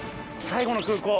最後の空港。